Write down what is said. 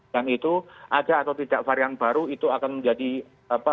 dan itu ada atau tidak varian baru itu akan menjadi apa